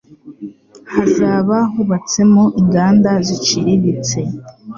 hazaba hubatsemo inganda ziciriritse.